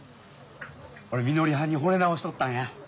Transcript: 俺みのりはんにほれ直しとったんや。